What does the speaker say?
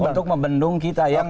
untuk membendung kita ya